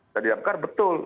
dan didamkar betul